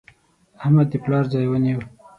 احمد د پلار ځای ونیو.